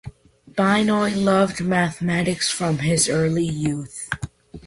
Binoy loved mathematics from his early youth.